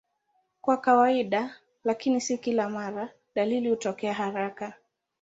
Kwa kawaida, lakini si kila mara, dalili hutokea haraka.